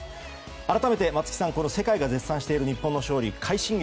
改めて、松木さん世界が絶賛している日本の勝利、快進撃